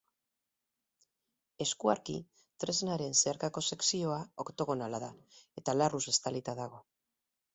Eskuarki, tresnaren zeharkako sekzioa oktogonala da, eta larruz estalita dago.